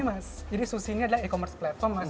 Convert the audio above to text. jadi ini mas sushi ini adalah e commerce platform mas